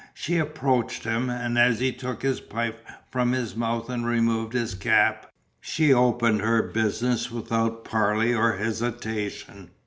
She approached him, and as he took his pipe from his mouth and removed his cap, she opened her business without parley or hesitation.